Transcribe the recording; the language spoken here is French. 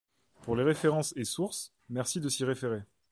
Pour les références et sources, merci de s'y référer.